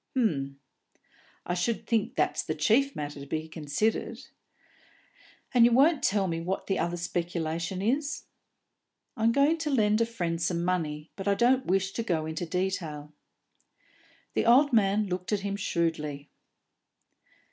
"H'm. I should think that's the chief matter to be considered. And you won't tell me what the other speculation is?" "I'm going to lend a friend some money, but I don't wish to go into detail." The old man looked at him shrewdly.